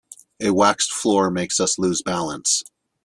A waxed floor makes us lose balance.